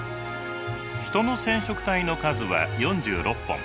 ヒトの染色体の数は４６本。